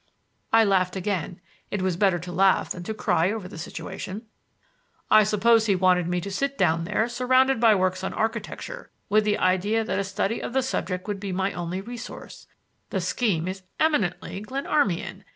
I laughed again; it was better to laugh than to cry over the situation. "I suppose he wanted me to sit down there, surrounded by works on architecture, with the idea that a study of the subject would be my only resource. The scheme is eminently Glenarmian!